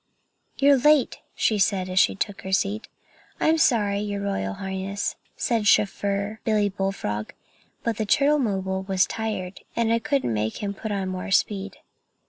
"You're late," she said, as she took her seat. "I'm sorry, your Royal Highness," said chauffeur Billy Bullfrog, "but the turtlemobile was tired, and I couldn't make him put on more speed."